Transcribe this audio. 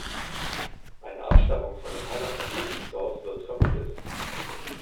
Eine Abstammung von den Herren von Jegenstorf wird vermutet.